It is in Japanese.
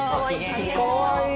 かわいい。